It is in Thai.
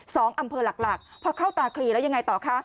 สองอำเภอหลักหลักพอเข้าตาคลีแล้วยังไงต่อคะ